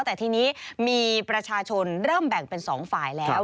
แต่ทีนี้มีประชาชนเริ่มแบ่งเป็น๒ฝ่ายแล้ว